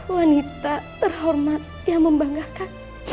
wanita terhormat yang membanggakan